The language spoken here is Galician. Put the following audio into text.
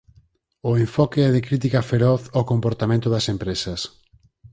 O enfoque é de crítica feroz ó comportamento das empresas.